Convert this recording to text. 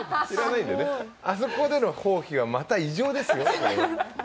あそこでの放屁はまた異常ですよ。